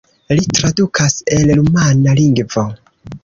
Li tradukas el rumana lingvo.